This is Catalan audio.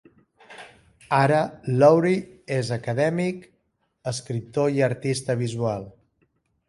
Ara Lowry és acadèmic, escriptor i artista visual.